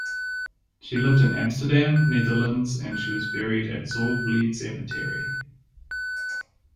She lived in Amsterdam, Netherlands, and she was buried at Zorgvlied cemetery.